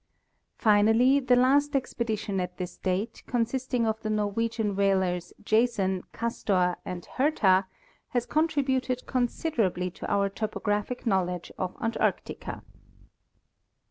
Finally the last expedition at this date, consisting of the Nor wegian whalers Jason, Castor and Hertha, has contributed con siderably to our topographic knowledge of Antarctica.